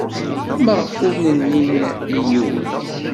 Maɣef ur nnin i yiwen?